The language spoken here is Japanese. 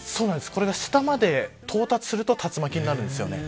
これが下まで到達すると竜巻になるんです。